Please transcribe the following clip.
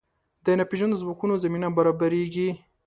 د ناپېژاندو ځواکونو زمینه برابرېږي.